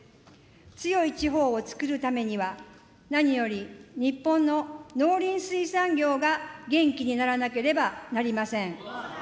強い地方をつくるためには、何より日本の農林水産業が元気にならなければなりません。